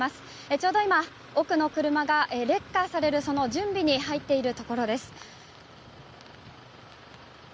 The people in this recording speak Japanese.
ちょうど今、奥の車がレッカーされる準備に入っているところです。